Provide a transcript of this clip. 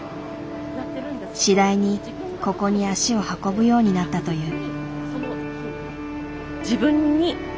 次第にここに足を運ぶようになったという。